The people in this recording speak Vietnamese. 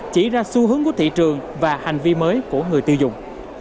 chỉ ra xu hướng của thị trường và hành vi mới của người tiêu dùng